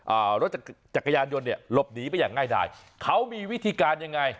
รถจักรยานยนต์เนี่ยหลบหนีไปอย่างง่ายดายเขามีวิธีการยังไง